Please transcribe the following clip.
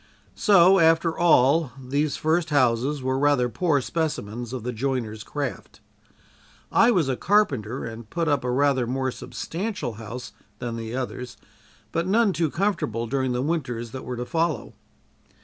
So after all, these first houses were rather poor specimens of the joiner's craft. I was a carpenter and put up a rather more substantial house than the others, but none too comfortable during the winters that were to follow.